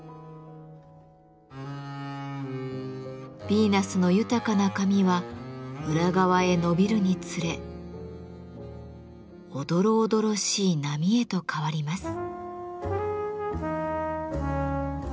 ヴィーナスの豊かな髪は裏側へ伸びるにつれおどろおどろしい波へと変わります。